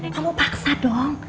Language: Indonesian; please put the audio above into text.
kamu paksa dong